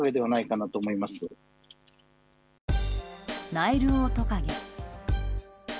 ナイルオオトカゲ。